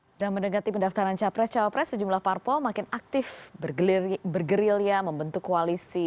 sedang mendekati pendaftaran capres cawapres sejumlah parpol makin aktif bergerilya membentuk koalisi